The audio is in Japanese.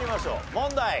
問題。